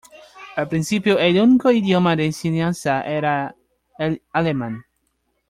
Al principio, el único idioma de enseñanza era el alemán.